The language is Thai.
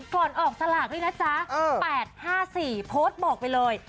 ก่อนออกสลากด้วยนะจ๊ะ๘๕๔โพสต์บอกไปเลย